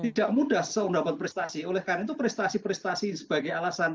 tidak mudah seorang dapat prestasi oleh karena itu prestasi prestasi sebagai alat peringkat